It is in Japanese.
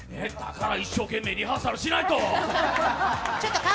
だから一生懸命リハーサルしないと！